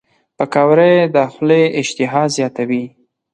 پکورې د خولې اشتها زیاتوي